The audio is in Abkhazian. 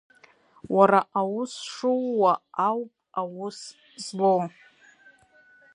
Уара аус шууа ауп аус злоу.